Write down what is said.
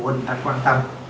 mà của mình người ta quan tâm